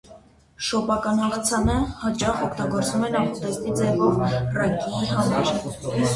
Շոպական աղցանը հաճախ օգտագործվում է նախուտեստի ձևով ռակիի համար։